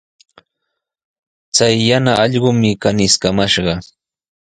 Chay yana allqumi kaniskamashqa.